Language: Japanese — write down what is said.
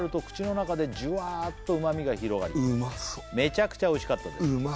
「口の中でじゅわっとうまみが広がり」「めちゃくちゃおいしかったです」